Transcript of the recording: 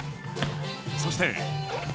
そして。